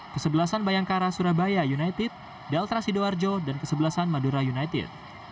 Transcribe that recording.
kesebelasan bayangkara surabaya united delta sidoarjo dan kesebelasan madura united